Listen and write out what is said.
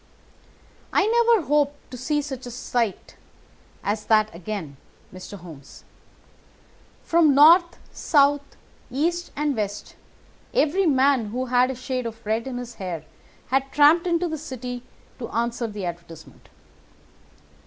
"I never hope to see such a sight as that again, Mr. Holmes. From north, south, east, and west every man who had a shade of red in his hair had tramped into the city to answer the advertisement.